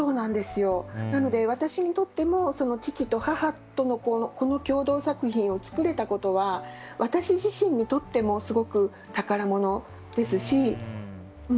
なので私にとっても父と母とのこの共同作品を作れたことは私自身にとってもすごく宝物ですし。